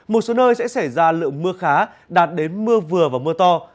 một số nơi sẽ xảy ra lượng mưa khá đạt đến mưa vừa và mưa to